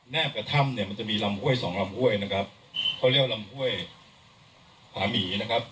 กระท่อมเนี่ยมันจะมีลำห้วยสองลำห้วยนะครับเขาเรียกว่าลำห้วยผาหมีนะครับ